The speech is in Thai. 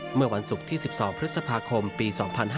เมื่อวันศุกร์ที่๑๒พฤษภาคมปี๒๕๕๙